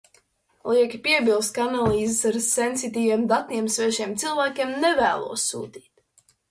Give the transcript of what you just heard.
Lieki piebilst, ka analīzes ar sensitīviem datiem svešiem cilvēkiem nevēlos sūtīt.